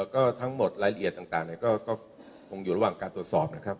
ก็ทั้งหมดรายละเอียดต่างก็คงอยู่ระหว่างการตรวจสอบนะครับ